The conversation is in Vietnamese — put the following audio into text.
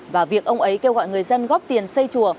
và việc ông ấy kêu gọi người dân góp tiền xây chùa